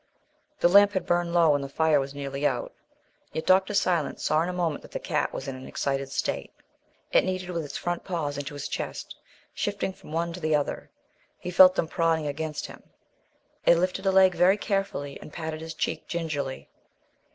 The lamp had burned low and the fire was nearly out, yet Dr. Silence saw in a moment that the cat was in an excited state. It kneaded with its front paws into his chest, shifting from one to the other. He felt them prodding against him. It lifted a leg very carefully and patted his cheek gingerly.